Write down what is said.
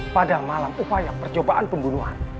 pada malam upaya percobaan pembunuhan